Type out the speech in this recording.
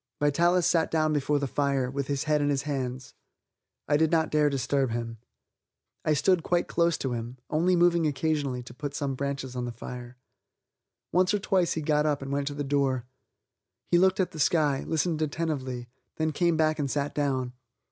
Vitalis sat down before the fire, with his head in his hands. I did not dare disturb him. I stood quite close to him, only moving occasionally to put some branches on the fire. Once or twice he got up and went to the door. He looked at the sky, listened attentively, then came back and sat down.